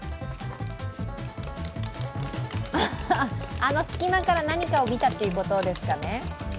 あの隙間から何かを見たっていうことですかね。